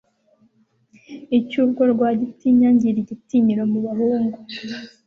icyubwo Rwagitinywa ngira igitinyiro mu bahungu